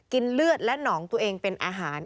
เลือดและหนองตัวเองเป็นอาหาร